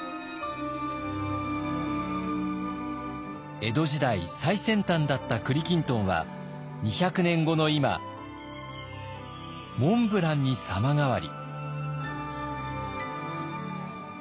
江戸時代最先端だった栗きんとんは２００年後の今モンブランに様変わり。